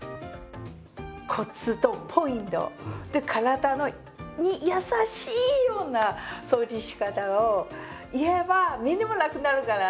コツとポイント体に優しいような掃除のしかたを言えばみんなも楽になるから！